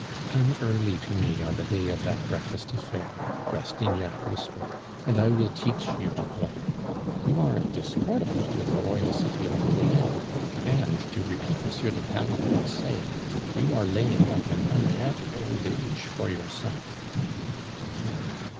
"Come early to me on the day of that breakfast affair," Rastignac whispered, "and I will teach you to play. You are a discredit to the royal city of Angouleme; and, to repeat M. de Talleyrand's saying, you are laying up an unhappy old age for yourself."